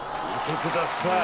見てください